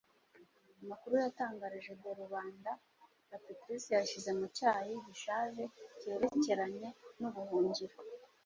Amakuru yatangarije The Rubanda ati: "Chris yishyize mu cyayi gishaje cyerekeranye n'ubuhungiro.